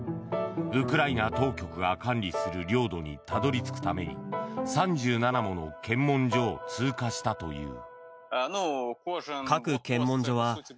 ウクライナ当局が管理する領土にたどり着くために３７もの検問所を通過したという。